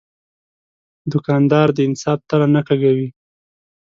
دوکاندار د انصاف تله نه کږوي.